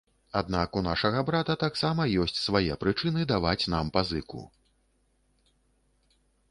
Аднак у нашага брата таксама ёсць свае прычыны даваць нам пазыку.